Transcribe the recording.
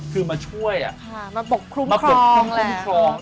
คือมาช่วยอะมาปกคลุ้มครองมาปกคลุ้มครอง